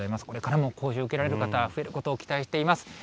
これからも講習を受けられる方、増えることを期待しています。